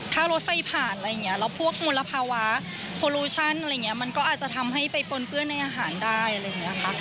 ถ้ารถไฟผ่านอะไรอย่างนี้แล้วพวกมลภาวะโพลูชั่นอะไรอย่างนี้มันก็อาจจะทำให้ไปปนเปื้อนในอาหารได้อะไรอย่างนี้ค่ะ